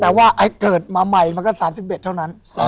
แต่ว่าไอ้เกิดมาใหม่มันก็๓๑เท่านั้น